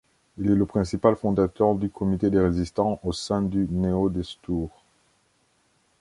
Il est le principal fondateur du comité des résistants au sein du Néo-Destour.